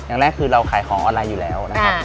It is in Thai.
อย่างแรกคือเราขายของออนไลน์อยู่แล้วนะครับ